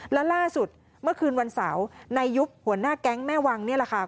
และล่าสุดเมื่อคืนวันเสาร์นายยุบหัวหน้าแก๊งแม่วังนี่แหละค่ะ